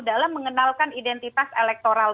dalam mengenalkan identitas elektoral